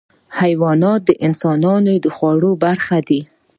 حیوانات د انسان د خوړو برخه دي.